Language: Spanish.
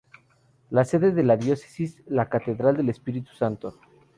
La sede de la diócesis es la catedral del Espíritu Santo.